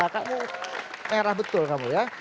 kamu merah betul kamu ya